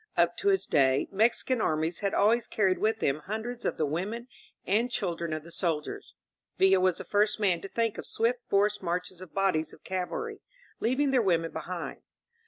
Up to his day, Mexican armies had always carried with them hundreds of the women and children of the soldiers ; Villa was the first man to think of swift forced marches of bodies of cavalry, leaving their women be hind.